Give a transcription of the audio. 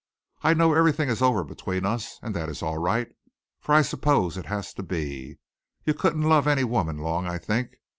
I know everything is over between us and that is all right, for I suppose it has to be. You couldn't love any woman long, I think.